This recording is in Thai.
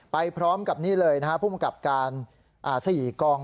ไปพร้อมกับนี่เลยนะครับผู้มีการสี่กอง